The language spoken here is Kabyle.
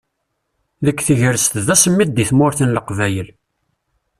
Deg tegrest d asemmiḍ deg tmurt n Leqbayel.